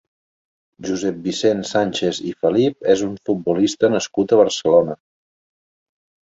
Josep Vicenç Sànchez i Felip és un futbolista nascut a Barcelona.